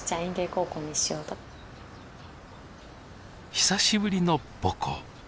久しぶりの母校。